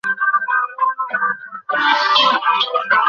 তিনি মূলতঃ leg break bowling করতেন।